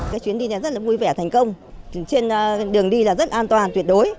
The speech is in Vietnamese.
cái chuyến đi này rất là vui vẻ thành công trên đường đi là rất an toàn tuyệt đối